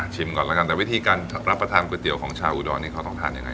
ก่อนแล้วกันแต่วิธีการรับประทานก๋วยเตี๋ยวของชาวอุดรนี่เขาต้องทานยังไง